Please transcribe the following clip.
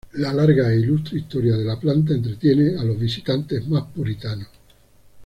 La larga e ilustre historia de la planta entretiene a los visitantes más puritanos".